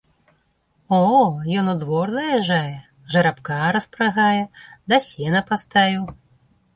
О, ён у двор заязджае, жарабка распрагае, да сена паставіў.